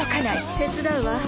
手伝うわ。